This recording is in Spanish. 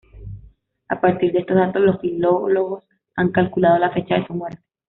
A partir de estos datos los filólogos han calculado la fecha de su muerte.